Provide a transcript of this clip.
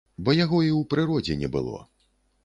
Бо яго і ў прыродзе не было.